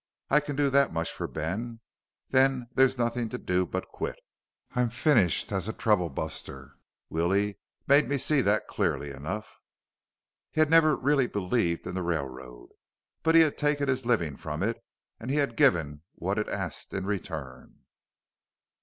_I can do that much for Ben. Then there's nothing to do but quit. I'm finished as a troublebuster. Willie made me see that clearly enough._ He had never really believed in the railroad; but he had taken his living from it, and he had given what it asked in return.